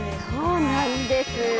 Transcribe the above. そうなんです。